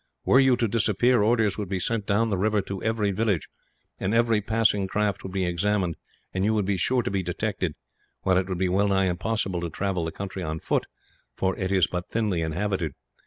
Were you to disappear, orders would be sent down the river to every village, and every passing craft would be examined, and you would be sure to be detected; while it would be well nigh impossible to travel the country on foot, for it is but thinly inhabited.